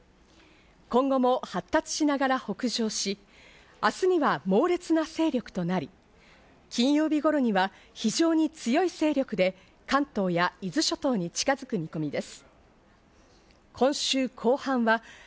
今後も発達しながら北上し、明日には猛烈な勢力となり、金曜日頃には非常に強い勢力で、関東や伊豆諸島に近づく見込みです。